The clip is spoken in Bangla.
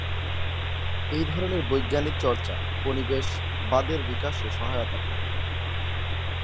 এই ধরনের বৈজ্ঞানিক চর্চা উপনিবেশবাদের বিকাশে সহায়তা করে।